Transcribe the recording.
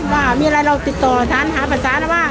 ว่ามีอะไรเราติดต่อสารหาภาษานะว่า